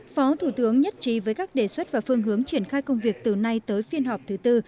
phó thủ tướng nhất trí với các đề xuất và phương hướng triển khai công việc từ nay tới phiên họp thứ tư